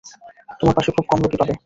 তোমার পাশে খুব কম লোকই পাবে।